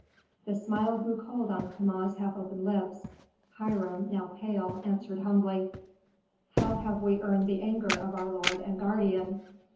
The smile grew cold on Kama's half open lips; Hiram, now pale, answered humbly, "How have we earned the anger of our lord and guardian?"